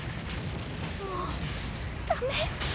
もうダメ。